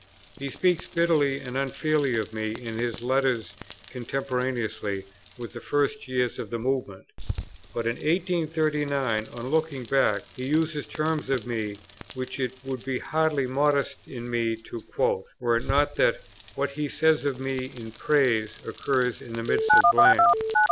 He speaks bitterly and unfairly of me in his letters contemporaneously with the first years of the Movement; but in 1839, on looking back, he uses terms of me, which it would be hardly modest in me to quote, were it not that what he says of me in praise occurs in the midst of blame.